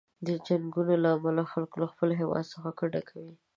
د جنګونو له امله خلک له خپل هیواد څخه کډه کوي.